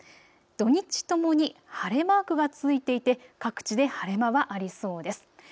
土日ともに晴れマークが付いていて各地で晴れ間はありそうです。